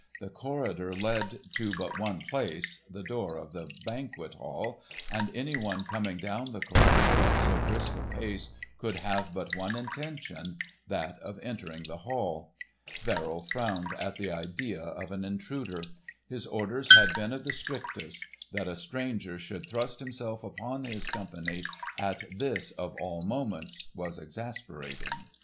The corridor led to but one place, the door of the Banquet Hall, and any one coming down the corridor at so brisk a pace could have but one intention—that of entering the hall. Verrill frowned at the idea of an intruder. His orders had been of the strictest. That a stranger should thrust himself upon his company at this of all moments was exasperating.